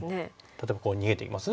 例えばこう逃げていきます？